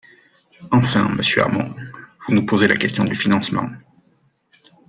Enfin, monsieur Hamon, vous nous posez la question du financement.